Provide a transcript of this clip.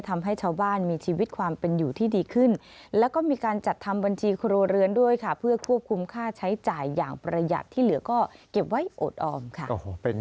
ทำให้ชาวบ้านครีบขอความเป็นอยู่ที่ดีขึ้น